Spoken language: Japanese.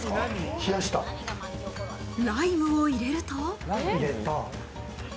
冷やしライムを入れると。